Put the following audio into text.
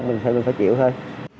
mình phải chịu thôi